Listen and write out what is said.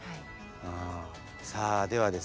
さあではですね